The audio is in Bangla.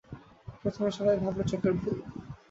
প্রথমে সবাই ভাবল চোখের ভুল।